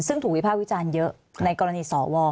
ซึ่งถูกวิภาควิจารณ์เยอะในกรณีสว